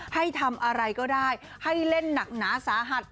ให้ทำอะไรก็ได้ให้เล่นหนักหนาสาหัส